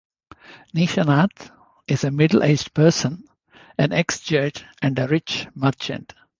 Nishanath is a middle aged person, an ex-judge and a rich merchant.